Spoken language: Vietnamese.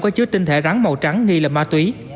có chứa tinh thể rắn màu trắng nghi là ma túy